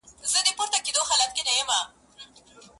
د لور حالت لا خرابېږي او درد زياتېږي هره شېبه,